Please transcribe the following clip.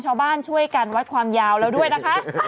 ชาวบ้านช่วยกันวัดความยาวแล้วด้วยนะคะ